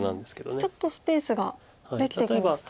ちょっとスペースができてきましたね。